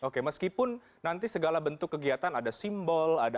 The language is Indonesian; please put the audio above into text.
kekuasaan fpi bisa